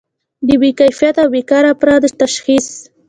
د بې کفایته او بیکاره افرادو تشخیص.